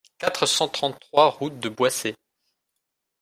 quatre cent trente-trois route de Boissey